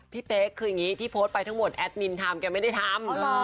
เป๊กคืออย่างนี้ที่โพสต์ไปทั้งหมดแอดมินทำแกไม่ได้ทำ